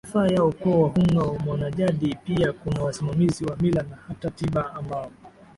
manufaa ya ukooWahunga mwanajadiPia kuna wasimamizi wa Mila na hata tiba ambao